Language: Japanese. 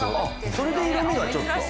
それで色みがちょっと。